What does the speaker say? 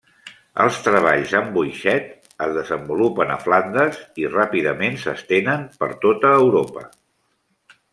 Els treballs amb boixet es desenvolupen a Flandes i ràpidament s'estenen per tota Europa.